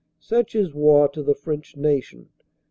Such is war to the French nation.